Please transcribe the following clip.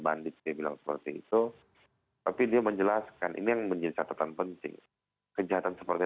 bandit dia bilang seperti itu tapi dia menjelaskan ini yang menjadi catatan penting kejahatan seperti